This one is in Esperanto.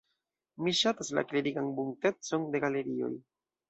Mi ŝatas la klerigan buntecon de galerioj.